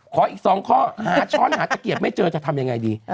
อีก๒ข้อหาช้อนหาตะเกียบไม่เจอจะทำยังไงดี